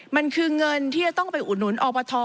มันคือเงินที่จะต้องไปอุดหนุนอบท